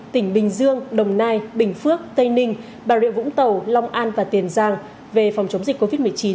tỉnh bình dương đồng nai bình phước tây ninh bà rịa vũng tàu long an và tiền giang về phòng chống dịch covid một mươi chín